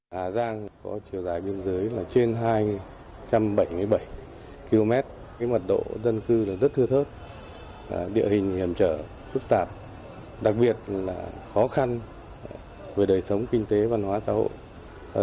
hà giang có chiều dài biên giới là trên hai trăm bảy mươi bảy km mật độ dân cư là rất thưa thớt địa hình hiểm trở phức tạp đặc biệt là khó khăn về đời sống kinh tế văn hóa xã hội